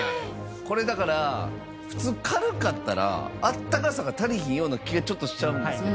これだから普通軽かったらあったかさが足りひんような気がちょっとしちゃうんですけど。